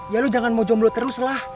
ya lu jangan mau jomblo terus lah